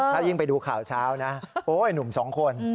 ถ้ายิ่งไปดูข่าวเช้านะโอ๊ยหนุ่มสองคน